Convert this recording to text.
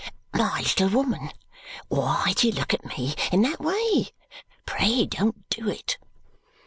"My little woman, why do you look at me in that way? Pray don't do it."